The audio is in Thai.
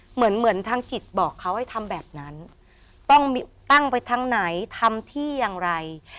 เหมือนเหมือนทางสิทธิ์บอกเขาให้ทำแบบนั้นต้องตั้งไปทางไหนทำที่อย่างไร